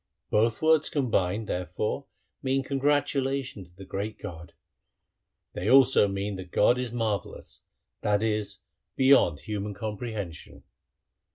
Both words combined, therefore, mean congratulation to the Great God. They also mean that God is marvellous, that is, beyond human comprehension.'